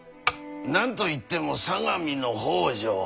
何と言っても相模の北条。